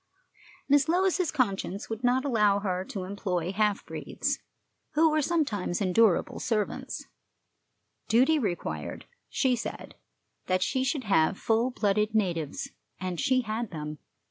Miss Lois's conscience would not allow her to employ half breeds, who were sometimes endurable servants; duty required, she said, that she should have full blooded natives. And she had them.